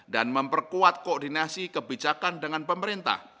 dan memperkuat koordinasi kebijakan dengan pemerintah